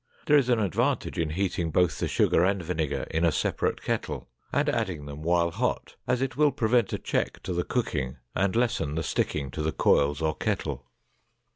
There is an advantage in heating both the sugar and vinegar in a separate kettle and adding them while hot, as it will prevent a check to the cooking and lessen the sticking to the coils or kettle.